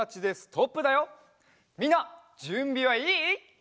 みんなじゅんびはいい？